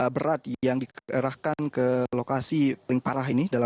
berat yang dikerahkan ke lokasi paling parah ini